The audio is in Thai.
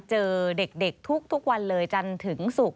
เจอเด็กทุกวันเลยจนถึงสุข